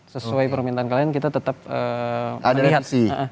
sesuai permintaan kalian kita tetap melihat